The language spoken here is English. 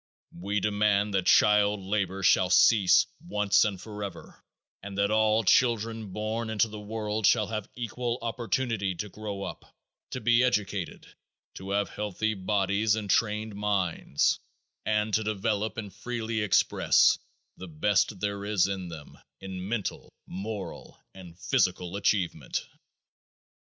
We demand that child labor shall cease once and forever and that all children born into the world shall have equal opportunity to grow up, to be educated, to have healthy bodies and trained minds, and to develop and freely express the best there is in them in mental, moral and physical achievement.